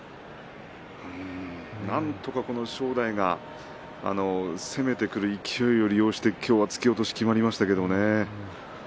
なんとか正代が攻めてくる勢いを利用して今日は突き落としきまりましたけれどもね。